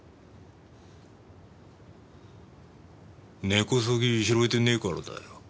根こそぎ拾えてねえからだよ。